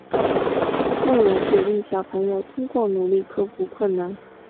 内容鼓励小朋友通过努力克服困难。